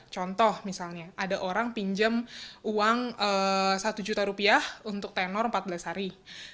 contoh misalnya ada orang pinjam uang satu juta rupiah untuk tenor empat belas hari